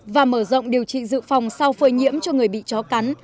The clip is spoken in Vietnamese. và mở rộng điều trị dự phòng sau phơi nhiễm cho người bị chó cắn